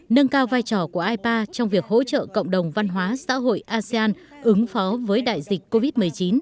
nâng cao vai trò của ipa trong việc hỗ trợ cộng đồng văn hóa xã hội asean ứng phó với đại dịch covid một mươi chín